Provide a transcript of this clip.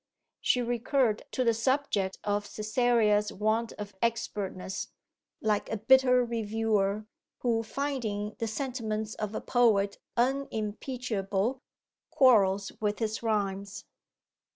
She recurred to the subject of Cytherea's want of expertness, like a bitter reviewer, who finding the sentiments of a poet unimpeachable, quarrels with his rhymes.